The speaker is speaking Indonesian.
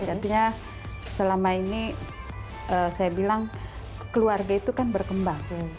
artinya selama ini saya bilang keluarga itu kan berkembang